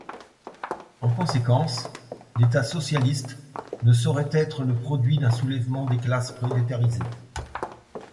En conséquence, l'État socialiste ne saurait être le produit d'un soulèvement des classes prolétarisées.